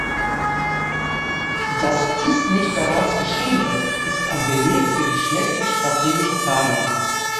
Dass dies nicht bereits geschehen ist, ist ein Beleg für die schlechte strategische Planung.